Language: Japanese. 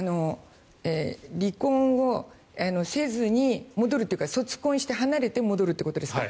離婚をせずに戻るというか卒婚して離れて戻るってことですか？